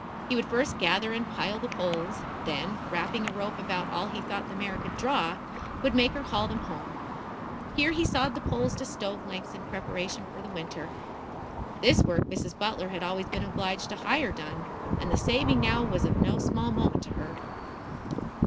He would first gather and pile the poles; then, wrapping a rope about all he thought the mare could draw, would make her haul them home. Here he sawed the poles to stove lengths in preparation for the winter. This work Mrs. Butler had always been obliged to hire done, and the saving now was of no small moment to her.